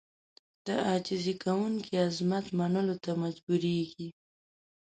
د عاجزي کوونکي عظمت منلو ته مجبورېږي.